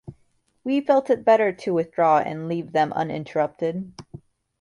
We felt it better to withdraw and leave them uninterrupted.